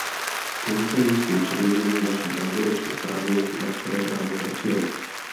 Koncem myslím předložení naší závěrečné zprávy, na které právě pracujeme.